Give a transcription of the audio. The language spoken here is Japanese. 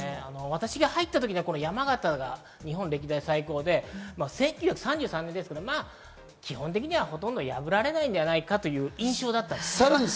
私が入った時は山形が日本歴代最高で１９３３年ですから、基本的には破られないんではないかという印象だったんです。